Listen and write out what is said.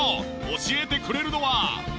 教えてくれるのは。